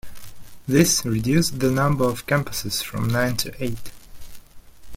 This reduced the number of campuses from nine to eight.